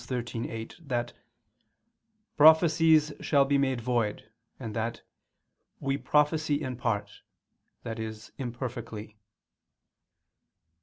13:8) that "prophecies shall be made void," and that "we prophesy in part," i.e. imperfectly.